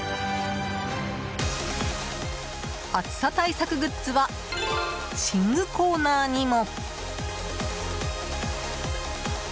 暑さ対策グッズは寝具コーナーにも。